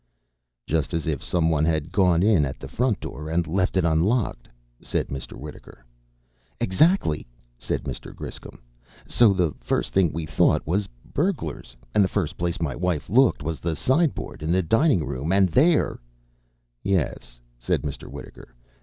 "Just as if some one had gone in at the front door and left it unlocked," said Mr. Wittaker. "Exactly!" said Mr. Griscom. "So the first thing we thought was 'Burglars!' and the first place my wife looked was the sideboard, in the dining room, and there " "Yes," said Mr. Wittaker.